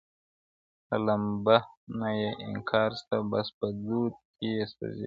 نه لمبه نه یې انګار سته بس په دود کي یې سوځېږم,